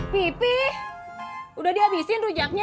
pipi udah dihabisin rujaknya